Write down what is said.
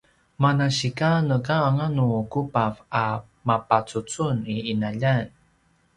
manasika nekanganu kubav a mapacucun i ’inaljan